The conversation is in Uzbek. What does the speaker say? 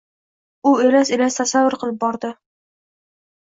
U elas-elas tasavvur qilib bordi.